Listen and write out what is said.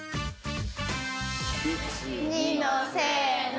１２のせの。